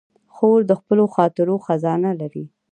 خور د خپلو خاطرو خزانه لري.